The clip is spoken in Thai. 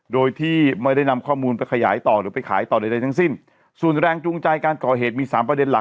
โดยที่ไม่ได้นำข้อมูลไปขยายต่อหรือไปขายต่อใดทั้งสิ้นส่วนแรงจูงใจการก่อเหตุมีสามประเด็นหลัก